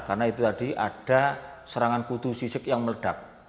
karena itu tadi ada serangan kutu sisik yang meledak